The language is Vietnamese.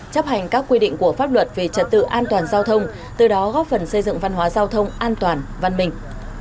chấp hành các quy định của pháp luật về trật tự an toàn giao thông từ đó góp phần xây dựng văn hóa giao thông an toàn văn minh